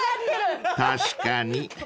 ［確かに。